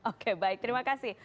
oke baik terima kasih